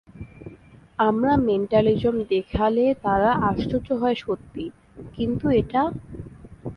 আমরা মেন্টালিজম দেখালে তারা আশ্চর্য হয় সত্যি, কিন্তু এটা?